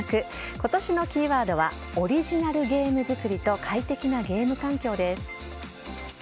今年のキーワードはオリジナルゲーム作りと快適なゲーム環境です。